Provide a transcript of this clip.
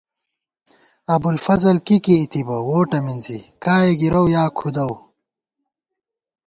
ابُوالفضل کی کېئ تِبہ ، ووٹہ مِنزی ، کائے گِرَؤ یا کھُدَؤ